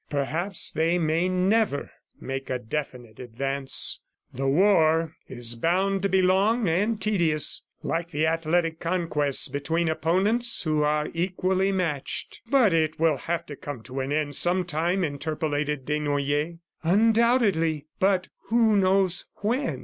Perhaps they may never make a definite advance. The war is bound to be long and tedious, like the athletic conquests between opponents who are equally matched." "But it will have to come to an end, sometime," interpolated Desnoyers. "Undoubtedly, but who knows when?